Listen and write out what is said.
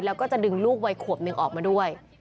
แล้วก็จะดึงลูกวัยขวบหนึ่งออกมาด้วย